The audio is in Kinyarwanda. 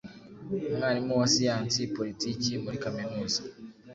umwarimu wa siyansi politiki muri kaminuza